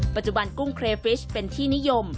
ปัจจุบันกุ้งเครฟริชเป็นที่นิยม